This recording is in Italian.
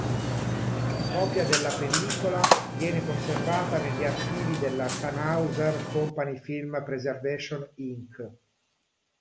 Copia della pellicola viene conservata negli archivi della Thanhouser Company Film Preservation Inc.